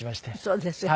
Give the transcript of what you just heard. そうですか。